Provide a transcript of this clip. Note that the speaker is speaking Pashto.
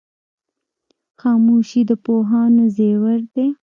خاموشي د پوهانو زیور دی.